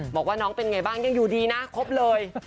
บอกว่าน้องเป็นไงบ้างยังอยู่ดีนะครบเลย